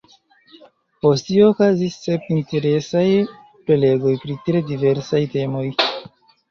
Post tio okazis sep interesaj prelegoj pri tre diversaj temoj.